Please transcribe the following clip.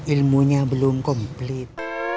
ilmunya belum komplit